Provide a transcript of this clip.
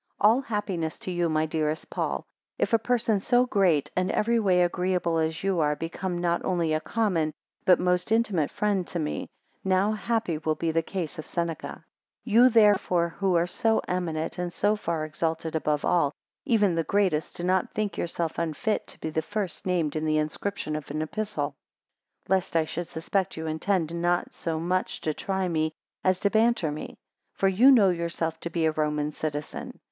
ALL happiness to you, my dearest Paul. 2 If a person so great, and every way agreeable as you are, become not only a common, but a most intimate friend to me, how happy will be the case of Seneca! 3 You therefore, who are so eminent, and so far exalted above all, even the greatest, do not think yourself unfit to be first named in the inscription of an Epistle; 4 Lest I should suspect you intend not so much to try me, as to banter me; for you know yourself to be a Roman citizen.